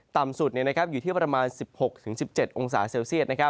ต่ำสุดอยู่ที่ประมาณ๑๖๑๗องศาเซลเซียต